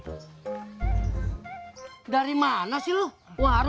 tu dia tarun